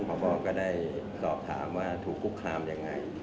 พอก็ได้สอบถามว่าถูกคุกคามยังไง